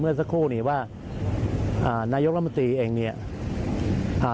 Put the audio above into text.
เมื่อสักครู่นี้ว่าอ่านายกรัฐมนตรีเองเนี่ยอ่า